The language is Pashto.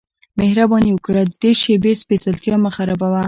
مهرباني وکړه د دې شیبې سپیڅلتیا مه خرابوه